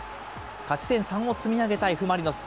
勝ち点３を積み上げたＦ・マリノス。